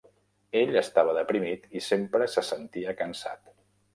Ell estava deprimit i sempre se sentia cansat.